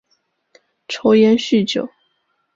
抽烟酗酒